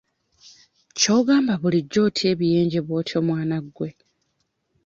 Ky'ogamba bulijjo otya ebiyenje bw'otyo mwana gwe?